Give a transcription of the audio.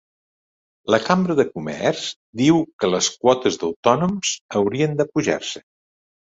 La Cambra de Comerç diu que les quotes d'autònoms haurien d'apujar-se